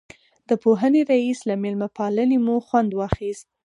د پوهنې رئیس له مېلمه پالنې مو خوند واخیست.